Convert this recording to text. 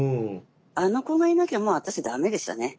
あの子がいなきゃもう私駄目でしたね。